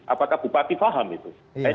apakah bupati paham itu